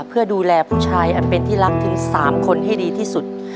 เพื่อดูแลผู้ชายอันเป็นที่รักถึง๓คนให้ดีที่สุด